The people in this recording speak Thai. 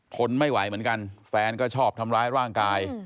ทนไม่ไหวเหมือนกันแฟนก็ชอบทำร้ายร่างกาย